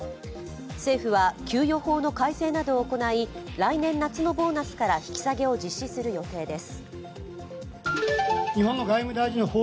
政府は、給与法の改正などを行い来年夏のボーナスから引き下げを実施する予定です。